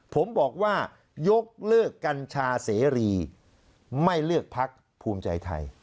ผมบอกว่ายกเลิกกัญชาเสรีไม่เลือกพักภูมิใจไทย